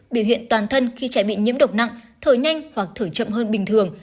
biểu hiện toàn thân khi trẻ bị nhiễm độc nặng thở nhanh hoặc thử chậm hơn bình thường